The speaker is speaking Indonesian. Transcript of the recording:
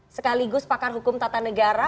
sekaligus pakar hukum tata negara